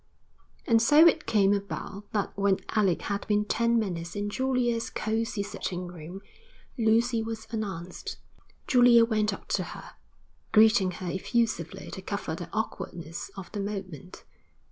And so it came about that when Alec had been ten minutes in Julia's cosy sitting room, Lucy was announced. Julia went up to her, greeting her effusively to cover the awkwardness of the moment.